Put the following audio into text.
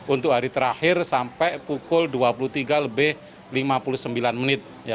untuk hari terakhir sampai pukul dua puluh tiga lebih lima puluh sembilan menit